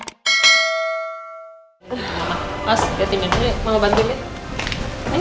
mas ke tim ini mau bantuin ya